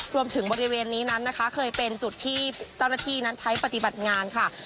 บริเวณนี้นั้นนะคะเคยเป็นจุดที่เจ้าหน้าที่นั้นใช้ปฏิบัติงานค่ะ